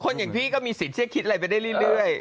อย่างพี่ก็มีสิทธิ์ที่จะคิดอะไรไปได้เรื่อย